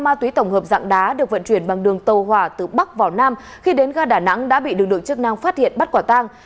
má túy tổng hợp dạng đá được vận chuyển bằng đường tâu hòa từ bắc vào nam khi đến gà đà nẵng đã bị đường đội chức năng phát hiện bắt quả tang